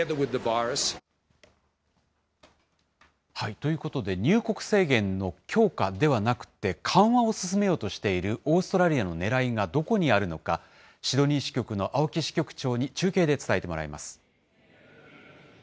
ということで、入国制限の強化ではなくて、緩和を進めようとしているオーストラリアのねらいがどこにあるのか、シドニー支局の青木支局長に中継で伝えてもらいます。